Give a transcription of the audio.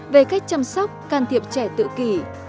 về cách chăm sóc can thiệp trẻ tự kỷ